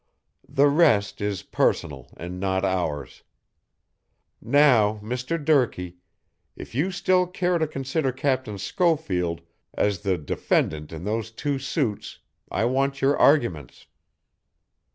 "The rest is personal and not ours. Now, Mr. Durkee, if you still care to consider Captain Schofield as the defendant in those two suits I want your arguments."